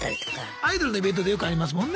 アイドルのイベントでよくありますもんね。